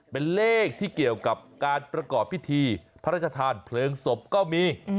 เป็นเลขที่เกี่ยวกับการประกอบพิธีพระราชทานเพลิงศพก็มี